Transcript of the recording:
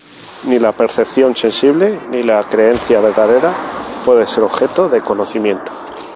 Ni la percepción sensible ni la creencia verdadera pueden ser objeto de conocimiento.